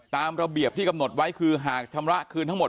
ตามระเบียบที่กำหนดไว้คือหากชำระคืนทั้งหมด